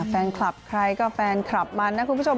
แฟนคลับใครก็แฟนคลับมันนะคุณผู้ชม